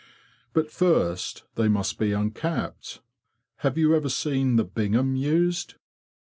But first they must be uncapped. Have you ever seen the Bingham used?